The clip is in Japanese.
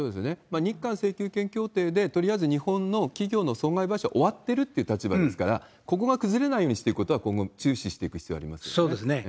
日韓請求権協定で、とりあえず日本の企業の損害賠償は終わってるって立場ですから、ここが崩れないようにしていくことは、今後、注視していく必要あそうですね。